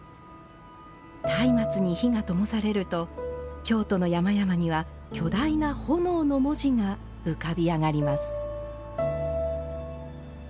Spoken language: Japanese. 松明に火がともされると京都の山々には巨大な炎の文字が浮かび上がります。